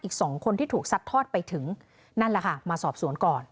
อีกสองคนที่ถูกซัดทอดไปถึงนั่นแหละค่ะมาสอบสวนก่อน